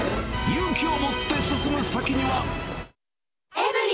勇気を持って進む先には。